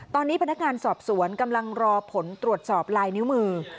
ตอนนี้พนักงานสอบสวนกำลังรอผลตรวจสอบลายนิ้วมือ